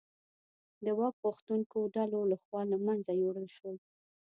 د واک غوښتونکو ډلو لخوا له منځه یووړل شول.